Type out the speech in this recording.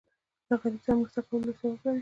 له غریب سره مرسته کول لوی ثواب لري.